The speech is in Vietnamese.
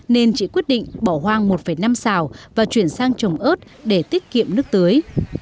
nên chị quyết định bỏ hoang một năm xào và chuyển sang trồng ớt để tiết kiệm nước tưới